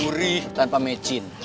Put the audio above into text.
burih tanpa mecin